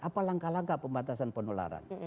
apa langkah langkah pembatasan penularan